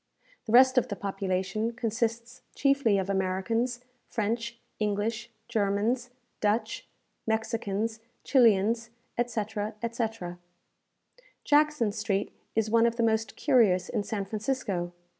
The rest of the population consists chiefly of Americans, French, English, Germans, Dutch, Mexicans, Chilians, etc., etc. Jackson Street is one of the most curious in San Francisco.